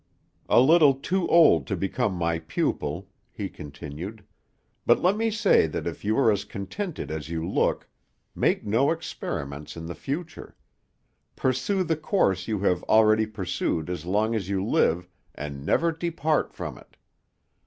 "A little too old to become my pupil," he continued, "but let me say that if you are as contented as you look, make no experiments in the future; pursue the course you have already pursued as long as you live, and never depart from it.